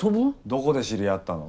どこで知り合ったの？